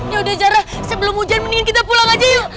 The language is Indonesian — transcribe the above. ya udah jarah sebelum hujan mendingan kita pulang aja yuk